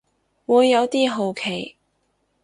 會有啲好奇